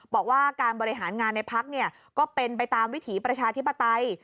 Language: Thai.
บอกว่าการบริหารงานในพักก็เป็นไปตามวิถีประชาธิปไตย